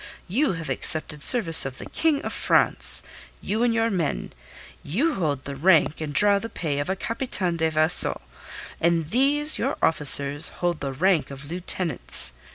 You have accepted service of the King of France you and your men; you hold the rank and draw the pay of a Capitaine de Vaisseau, and these your officers hold the rank of lieutenants.